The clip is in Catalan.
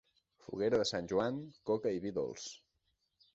Foguera de Sant Joan, coca i vi dolç.